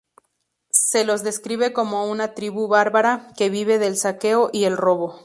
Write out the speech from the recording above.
Se los describe como una tribu bárbara, que vive del saqueo y el robo.